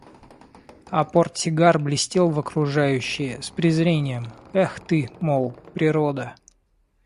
А портсигар блестел в окружающее с презрением: – Эх, ты, мол, природа!